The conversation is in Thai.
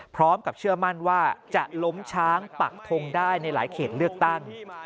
เชื่อมั่นว่าจะล้มช้างปักทงได้ในหลายเขตเลือกตั้ง